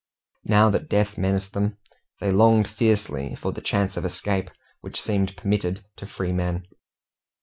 Now that death menaced them, they longed fiercely for the chance of escape which seemed permitted to freemen.